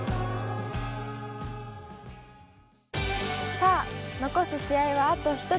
さぁ残す試合はあと１つ。